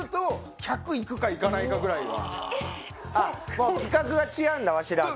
もう規格が違うんだわしらと。